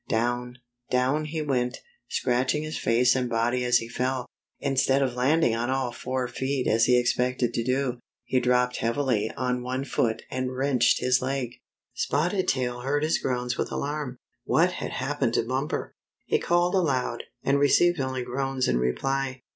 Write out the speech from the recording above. Down, down he went, scratching his face and body as he fell. Instead of landing on all four feet as he expected to do, he dropped heavily on one foot and wrenched his leg. Spotted Tail heard his groans with alarm. What had happened to Bumper! He called aloud, and received only groans in reply.